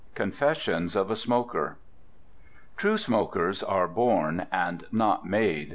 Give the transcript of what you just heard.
CONFESSIONS OF A SMOKER True smokers are born and not made.